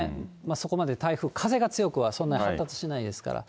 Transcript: そこまで台風、風が強くは、そんなに発達しないですから。